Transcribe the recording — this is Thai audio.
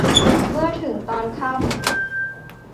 เมื่อถึงตอนค่ำ